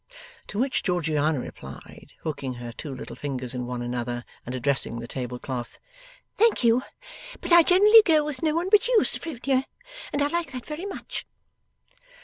To which Georgiana replied, hooking her two little fingers in one another, and addressing the tablecloth, 'Thank you, but I generally go with no one but you, Sophronia, and I like that very much.